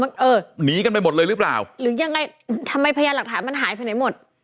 เออหนีกันไปหมดเลยหรือเปล่าหรือยังไงทำไมพยานหลักฐานมันหายไปไหนหมด